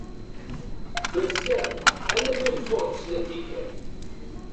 Mazal, alamma ifuṛ-d snat tikkal.